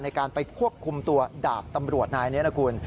ในการไปควบคุมตัวดาบตำรวจนายนี้นะคุณ